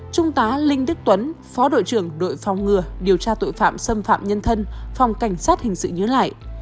trung tá linh đức tuấn phó đội trưởng đội phòng ngừa điều tra tội phạm xâm phạm nhân thân phòng cảnh sát hình sự nhớ lại